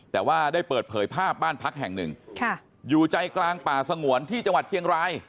แต่ว่าได้เปิดเผยภาพบ้านพักแห่งหนึ่งอยู่ใจกลางป่าสงวนที่จังหวัดเชียงราย